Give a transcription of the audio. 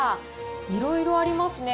いろいろありますね。